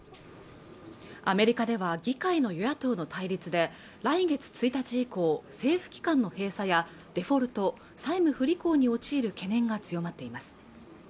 アメリカでは議会の与野党の対立で来月１日以降政府機関の閉鎖やデフォルト＝債務不履行に陥る懸念が強まっています